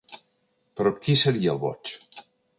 Però ¿qui seria, el boig?